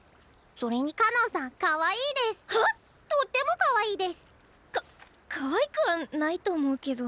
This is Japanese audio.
それにかのんさんかわいいデス。は⁉とってもかわいいデス。かかわいくはないと思うけど。